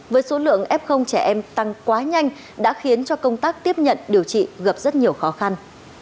với số lượng f trẻ em tăng quá nhanh đã khiến cho công tác tiếp nhận điều trị gặp rất nhiều khó khăn